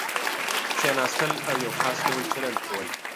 کېناستل او یو خاص ډول چلند کول.